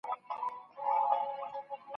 حقایق باید په علمي توګه ثابت کړای سي.